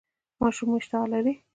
ماشوم مو اشتها لري؟